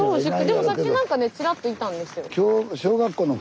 でもさっき何かねちらっといたんです。